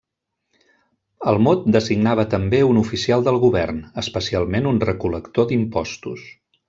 El mot designava també un oficial del govern, especialment un recol·lector d'impostos.